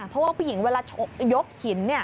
เพราะว่าผู้หญิงเวลายกหิน